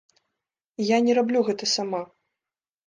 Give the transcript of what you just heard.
Я не раблю гэта сама.